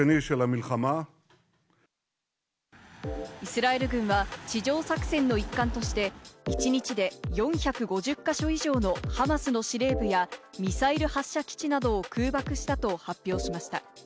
イスラエル軍は地上作戦の一環として、一日で４５０か所以上のハマスの司令部やミサイル発射基地などを空爆したと発表しました。